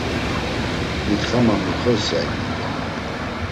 Mitxa ma mixosyay mondo.